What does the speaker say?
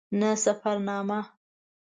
نه سفرنامه.